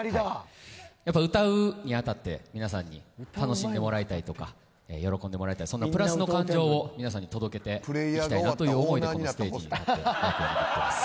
やっぱ、歌うに当たって皆さんに楽しんでもらいたいとか喜んでもらいたいとかプラスの感情を皆さんに届けていきたいなという思いでこのステージに立っております。